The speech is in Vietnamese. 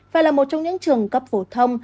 và là một trong những trường cấp phổ thông